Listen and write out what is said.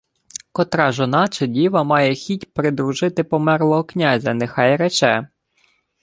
— Котра жона чи діва має хіть придружити померлого князя, нехай рече.